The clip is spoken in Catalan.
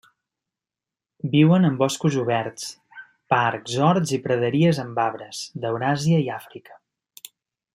Viuen en boscos oberts, parcs, horts i praderies amb arbres, d'Euràsia i Àfrica.